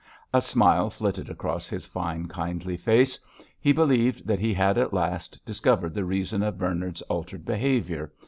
A smile flitted across his fine, kindly face. He believed that he had at last discovered the reason of Bernard's altered behaviour.